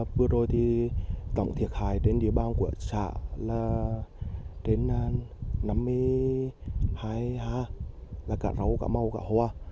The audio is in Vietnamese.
vừa rồi thì tổng thiệt hại trên địa bàn của xã là đến năm mươi hai ha là cả râu cả màu cả hoa